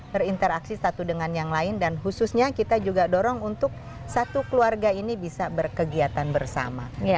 berinteraksi satu dengan yang lain dan khususnya kita juga dorong untuk satu keluarga ini bisa berkegiatan bersama